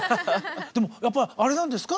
やっぱりあれなんですか？